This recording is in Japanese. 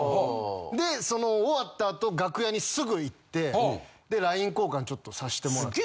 でその終わった後楽屋にすぐ行ってでＬＩＮＥ交換さしてもらって。